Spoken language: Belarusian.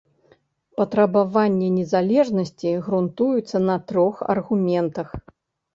Патрабаванне незалежнасці грунтуецца на трох аргументах.